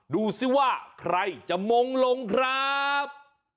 ดูสิว่าใครจะมงลงครับ